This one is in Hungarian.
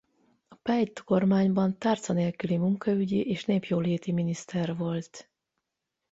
A Peidl-kormányban tárca nélküli munkaügyi és népjóléti miniszter volt.